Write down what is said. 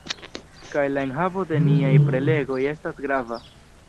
Kaj la enhavo de niaj prelegoj estas grava